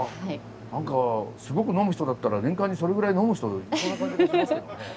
何かすごく呑む人だったら年間にそれぐらい呑む人いそうな感じがしますけどね。